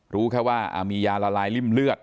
รู้แค่ว่ามียาละลายริ่มเลือด